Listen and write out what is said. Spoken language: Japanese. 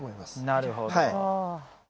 なるほど。